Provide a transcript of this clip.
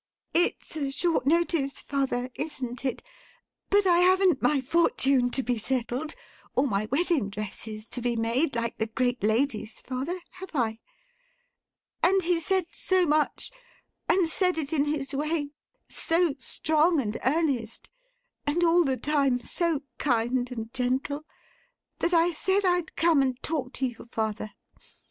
It's a short notice, father—isn't it?—but I haven't my fortune to be settled, or my wedding dresses to be made, like the great ladies, father, have I? And he said so much, and said it in his way; so strong and earnest, and all the time so kind and gentle; that I said I'd come and talk to you, father.